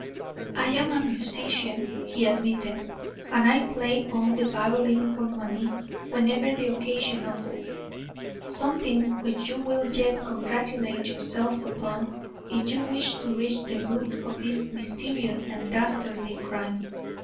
"I am a musician," he admitted, "and I play on the violin for money whenever the occasion offers, something which you will yet congratulate yourselves upon if you wish to reach the root of this mysterious and dastardly crime.